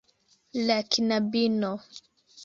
La knabino.